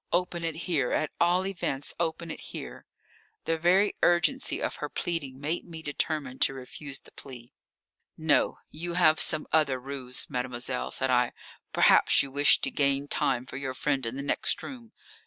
Open it here! At all events open it here!" The very urgency of her pleading made me determined to refuse the plea. "No, you have some other ruse, mademoiselle," said I. "Perhaps you wish to gain time for your friend in the next room.